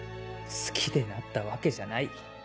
好きでなったわけじゃない？